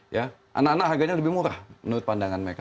ya anak anak harganya lebih murah menurut pandangan mereka